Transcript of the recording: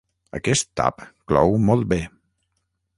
Aquest tap clou molt bé.